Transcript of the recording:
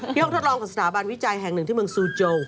ห้องทดลองกับสถาบันวิจัยแห่งหนึ่งที่เมืองซูโจ